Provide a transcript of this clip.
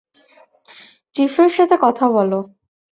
চিফের সাথে কথা বলো।